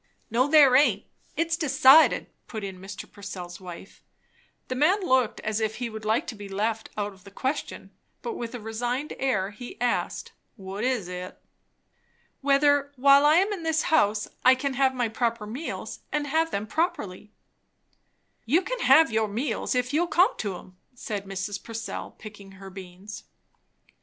"No there aint; it's decided," put in Mr. Purcell's wife. The man looked as if he would like to be left out of the question; but with a resigned air he asked, "What is it?" "Whether, while I am in this house, I can have my proper meals, and have them properly." "You can have your meals, if you'll come to 'em," said Mrs. Purcell, picking her beans.